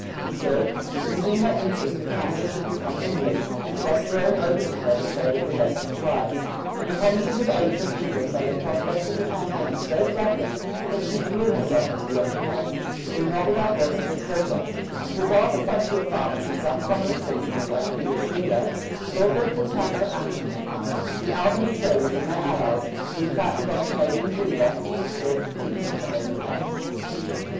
Still, it was her interest that Canada should become English, thus throwing open to her the trade of the Western tribes; and the promises of aid from England made the prospects of the campaign so flattering that she threw herself into the enterprise, though not without voices of protest, for while the frontier farmers and some prominent citizens like Peter Schuyler thought that the time for action had come, the Albany traders and their allies, who fattened on Canadian beaver, were still for peace at any price.